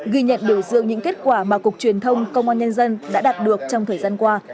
ghi nhận biểu dương những kết quả mà cục truyền thông công an nhân dân đã đạt được trong thời gian qua